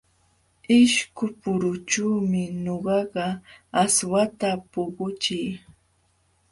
Ishkupurućhuumi ñuqaqa aswata puquchii.